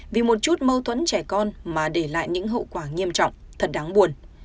vì một chút mâu thuẫn trẻ con mà để lại những hậu quả nghiêm trọng thật đáng buồn